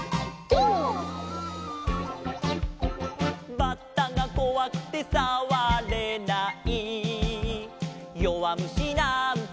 「バッタがこわくてさわれない」「よわむしなんて」